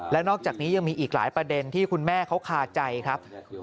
และนอกจากนี้ยังมีอีกหลายประเด็นที่คุณแม่เขาคาใจครับ